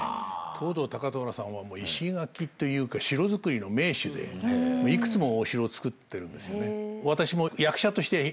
藤堂高虎さんはもう石垣というか城造りの名手でいくつもお城を造ってるんですよね。